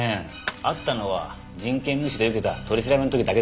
会ったのは人権無視で受けた取り調べの時だけです。